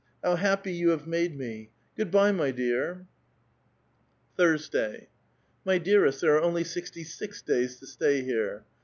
^^ happy you have made me ! Good by, m}' dear." . Ihursday. —" My dearest,* there are only sixty six days ^ stay here."